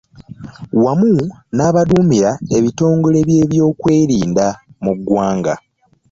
Wamu n'abaduumira ebitongole by'ebyokwerinda mu ggwanga.